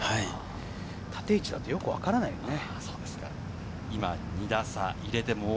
縦位置だとよくわからないよね。